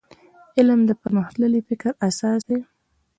علم د پرمختللي فکر اساس دی.